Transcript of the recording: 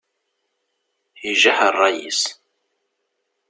Ijaḥ ṛṛay-is.